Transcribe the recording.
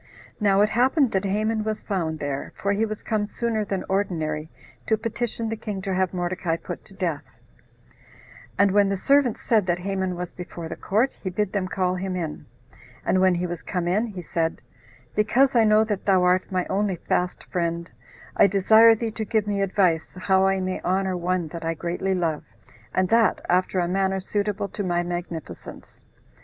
Now it happened that Haman was found there, for he was come sooner than ordinary to petition the king to have Mordecai put to death; and when the servants said that Haman was before the court, he bid them call him in; and when he was come in, he said, "Because I know that thou art my only fast friend, I desire thee to give me advice how I may honor one that I greatly love, and that after a manner suitable to my magnificence."